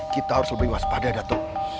kita harus lebih waspada datang